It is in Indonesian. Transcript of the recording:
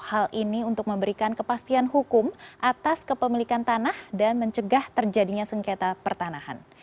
hal ini untuk memberikan kepastian hukum atas kepemilikan tanah dan mencegah terjadinya sengketa pertanahan